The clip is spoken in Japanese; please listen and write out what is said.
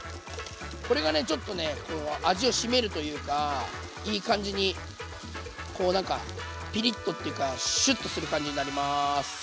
これがちょっとね味を締めるというかいい感じにこうなんかピリッとっていうかシュッとする感じになります。